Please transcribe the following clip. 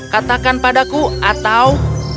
katakan padaku atau